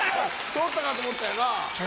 取ったかと思ったよな。